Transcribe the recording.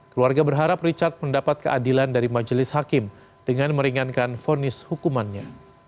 keluarga berharap richard mendapat keadilan dari majelis hakim dengan meringankan fonis hukumannya